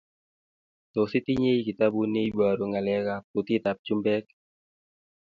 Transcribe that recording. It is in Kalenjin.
Tos, itinye kitabut neibaru ngaleek kab kutitab chumbek?